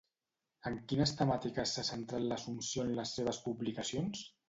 En quines temàtiques s'ha centrat l'Assumpció en les seves publicacions?